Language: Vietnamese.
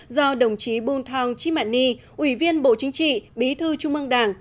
do đồng chí bung thong chimany ủy viên bộ chính trị bí thư trung ương đảng